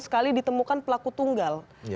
sekali ditemukan pelaku tunggal